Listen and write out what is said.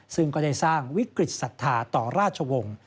ซึ่งก็ได้สร้างวิกฤตศรัทธาต่อราชวงศ์